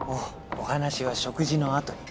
お話は食事のあと